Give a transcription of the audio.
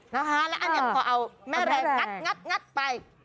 นะคะแล้วอันนี้พอเอาแม่แรงงัดไป